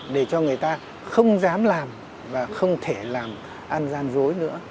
để cho người ta không dám làm và không thể làm an gian rối nữa